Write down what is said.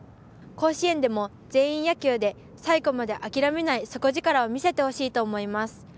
甲子園でも全員野球で最後まで諦めない底力を見せてほしいと思います。